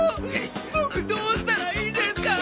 ボクどうしたらいいんですか？